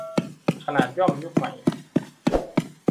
ขนาดย่อมยุคใหม่